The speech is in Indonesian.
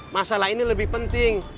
masalah ini lebih penting